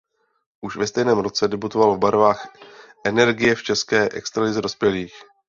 Už ve stejném roce debutoval v barvách Energie v české extralize dospělých.